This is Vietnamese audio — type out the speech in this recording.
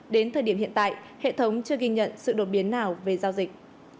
đến thời điểm hiện tại hệ thống chưa ghi nhận sự đột biến nào về giao dịch